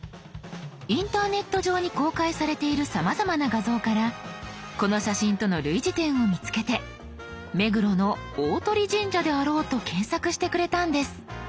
インターネット上に公開されているさまざまな画像からこの写真との類似点を見つけて目黒の大鳥神社であろうと検索してくれたんです。